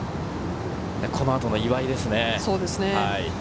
この後の岩井ですね。